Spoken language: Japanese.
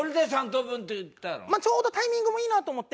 ちょうどタイミングもいいなと思って。